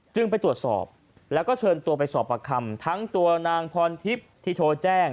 ไปตรวจสอบแล้วก็เชิญตัวไปสอบประคำทั้งตัวนางพรทิพย์ที่โทรแจ้ง